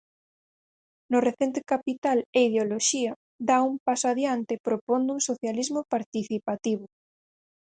No recente Capital e ideoloxía dá un paso adiante propondo un socialismo participativo.